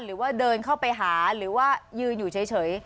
หรือว่าเดินเข้าไปหาหรือว่ายืนอยู่เฉย